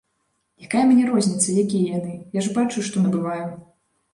Якая мне розніца, якія яны, я ж бачу, што набываю.